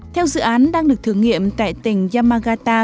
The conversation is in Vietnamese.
theo dự án đang được thử nghiệm tại tỉnh yamagata